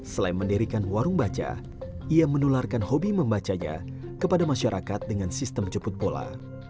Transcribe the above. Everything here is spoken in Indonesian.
selain mendirikan warung baca ia menularkan hobi membacanya kepada masyarakat dengan sistem jemput bola